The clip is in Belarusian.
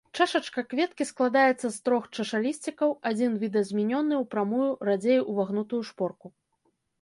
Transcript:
Чашачка кветкі складаецца з трох чашалісцікаў, адзін відазменены ў прамую, радзей увагнутую шпорку.